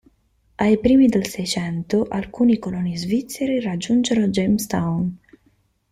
Ai primi del Seicento alcuni coloni svizzeri raggiunsero Jamestown.